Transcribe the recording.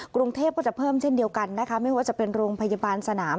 กรุงเทพก็จะเพิ่มเช่นเดียวกันนะคะไม่ว่าจะเป็นโรงพยาบาลสนาม